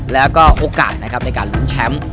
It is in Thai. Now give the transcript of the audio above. แล้วก็โอกาสนะครับในการลุ้นแชมป์